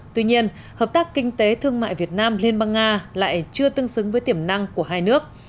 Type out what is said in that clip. tuy nhiên hợp tác kinh tế thương mại việt nam liên bang nga lại chưa tương xứng với tiềm năng của hai nước